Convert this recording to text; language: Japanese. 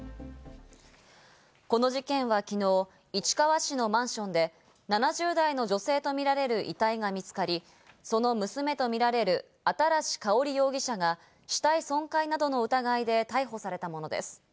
この事件はきのう、市川市のマンションで７０代の女性とみられる遺体が見つかり、その娘とみられる新かほり容疑者が死体損壊などの疑いで逮捕されたものです。